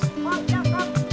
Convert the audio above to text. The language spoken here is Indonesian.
kom jalan kom